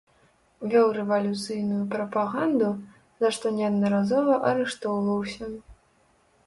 Вёў рэвалюцыйную прапаганду, за што неаднаразова арыштоўваўся.